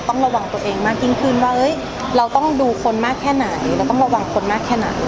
ต้องระวังตัวเองมากยิ่งขึ้นว่าเราต้องดูคนมากแค่ไหนเราต้องระวังคนมากแค่ไหน